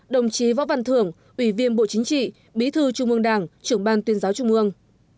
đồng chí võ văn thưởng ủy viên bộ chính trị bí thư trung ương đảng trưởng ban tuyên giáo trung ương